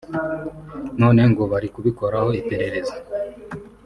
none ngo ‘bari kubikoraho iperereza’